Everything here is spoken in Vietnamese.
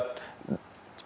cho nguyễn thị nga